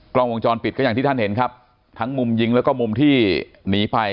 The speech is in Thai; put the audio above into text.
กล้องวงจรปิดก็อย่างที่ท่านเห็นครับทั้งมุมยิงแล้วก็มุมที่หนีไป